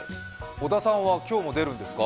小田さんは今日も出るんですか？